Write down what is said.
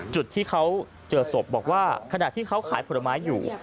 จุดที่เขาเจอศพบอกว่าขณะที่เขาขายผลไม้อยู่